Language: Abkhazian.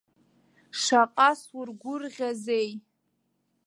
Шаҟа сургәырӷьазеи!